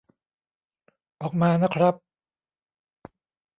ออกมานะครับ